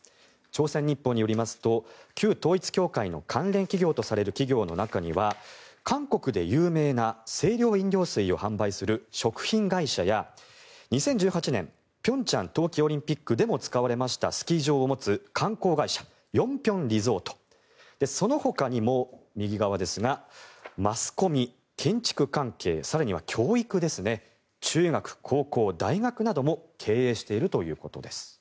朝鮮日報によりますと旧統一教会の関連企業とされる企業の中には韓国で有名な清涼飲料水を販売する食品会社や２０１８年平昌冬季オリンピックで使われたスキー場を持つ観光会社ヨンピョンリゾートそのほかにも右側ですがマスコミ、建築関係更には教育ですね中学、高校、大学なども経営しているということです。